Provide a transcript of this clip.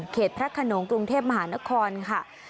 พระขนงกรุงเทพมหานครค่ะ